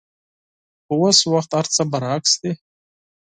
خو اوس وخت هرڅه برعکس دي.